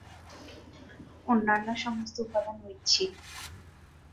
অন্যান্য সমস্ত উপাদান ঐচ্ছিক।